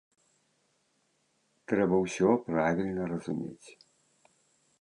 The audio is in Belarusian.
Трэба ўсё правільна разумець.